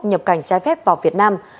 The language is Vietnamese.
nhập cảnh trái phép vào việt nam